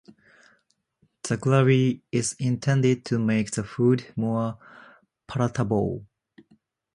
The gravy is intended to make the food more palatable.